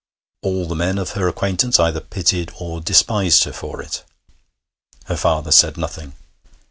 All the men of her acquaintance either pitied or despised her for it. Her father said nothing.